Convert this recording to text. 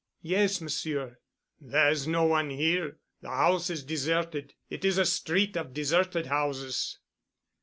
"Yes, Monsieur." "There is no one here. The house is deserted. It is a street of deserted houses."